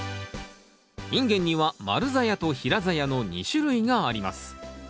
インゲンには丸ざやと平ざやの２種類があります。